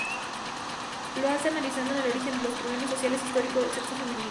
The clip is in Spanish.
Lo hace analizando en el origen los problemas sociales históricos del sexo femenino.